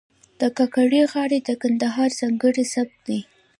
د کاکړۍ غاړې د کندهار ځانګړی سبک دی.